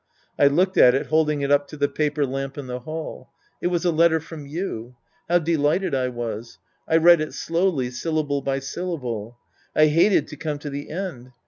I looked at it holding it up to the paper lamp in the hall. It was a letter from you ! How delighted I was ! I read it slowly syllable by syllable. I hated to come to the end.